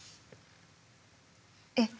えっ？